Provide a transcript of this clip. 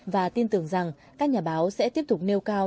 và tin tưởng rằng các nhà báo sẽ tiếp tục nêu cao